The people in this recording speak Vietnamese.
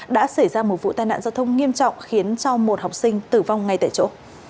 đã xảy ra một vụ tai nạn giao thông nghiêm trọng khiến cho một học sinh tử vong ngay tại chỗ